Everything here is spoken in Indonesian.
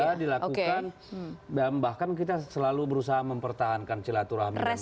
sudah dilakukan dan bahkan kita selalu berusaha mempertahankan silaturahmi dan komunikasi